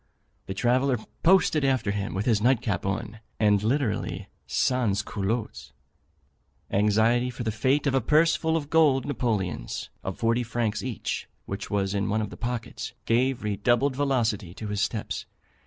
The traveller posted after him with his night cap on, and literally sans culottes. Anxiety for the fate of a purse full of gold Napoleons, of forty francs each, which was in one of the pockets, gave redoubled velocity to his steps.